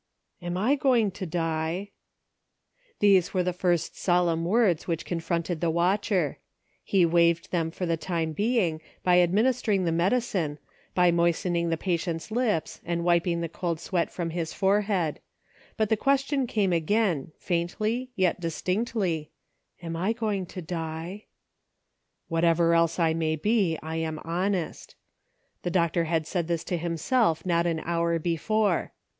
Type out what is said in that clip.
AM I going to die ?" These were the first solemn words which confronted the watcher. He waived them for the time being, by administering the medicine, by moistening the patient's lips, and wiping the cold sweat from his forehead ; but the question came again, faintly, yet distinctly, " Am I going to die ?" "Whatever else I may be, I am honest." The doctor had said this to himself not an hour before.